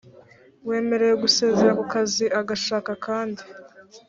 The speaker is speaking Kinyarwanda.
wemerewe gusezera ku kazi agashaka akandi.